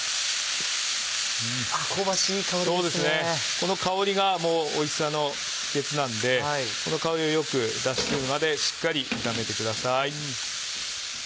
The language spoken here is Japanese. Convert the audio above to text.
この香りがもうおいしさの秘訣なのでこの香りをよく出し切るまでしっかり炒めてください。